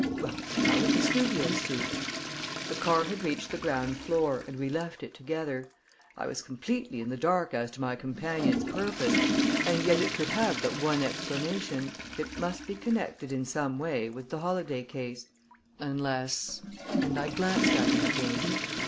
"Well, how would the Studio suit?" The car had reached the ground floor, and we left it together. I was completely in the dark as to my companion's purpose, and yet it could have but one explanation it must be connected in some way with the Holladay case. Unless and I glanced at him again.